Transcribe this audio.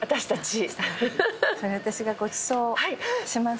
それで私がごちそうします。